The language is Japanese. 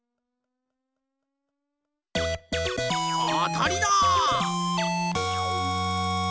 あたりだ！